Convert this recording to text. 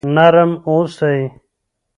نرم اوسئ.